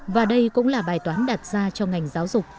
và đây cũng là bài toán đặt ra cho ngành giáo dục